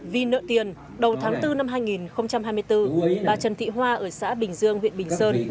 vì nợ tiền đầu tháng bốn năm hai nghìn hai mươi bốn bà trần thị hoa ở xã bình dương huyện bình sơn